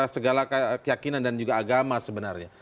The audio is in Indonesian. segala keyakinan dan juga agama sebenarnya